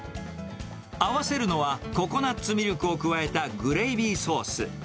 合わせるのは、ココナッツミルクを加えたグレービーソース。